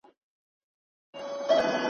ډک له دوستانو ورک مي اغیار وي `